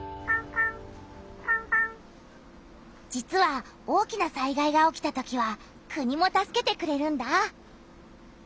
実は大きな災害が起きたときは「国」も助けてくれるんだ！